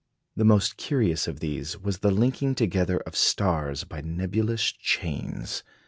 The most curious of these was the linking together of stars by nebulous chains.